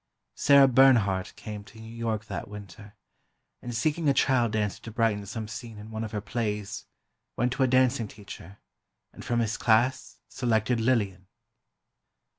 Sarah Bernhardt came to New York that winter, and seeking a child dancer to brighten some scene in one of her plays, went to a dancing teacher, and from his class selected Lillian.